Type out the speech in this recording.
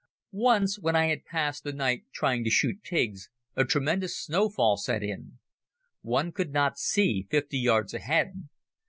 Once, when I had passed the night trying to shoot pigs, a tremendous snowfall set in. One could not see fifty yards ahead.